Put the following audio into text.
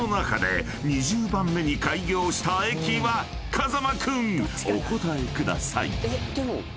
［風間君お答えください］でも。